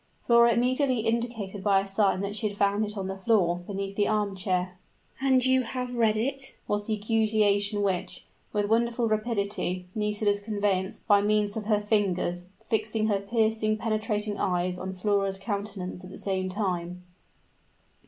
Flora immediately indicated by a sign that she had found it on the floor, beneath the arm chair. "And you have read it!" was the accusation which, with wonderful rapidity, Nisida conveyed by means of her fingers fixing her piercing, penetrating eyes on Flora's countenance at the same time.